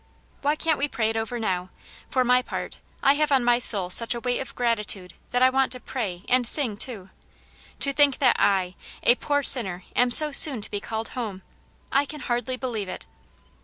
*' Why can't we pray it over now } For my part,! have on my soul such a weight of gratitude that I want to pray and sing, too. To think that I, a podr sinner, am so soon to be called home 1 I can hardly believe it."